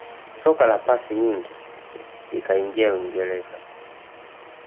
soka la pasi nyingi likaingia uingereza